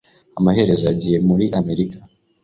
Amaherezo, yagiye muri Amerika.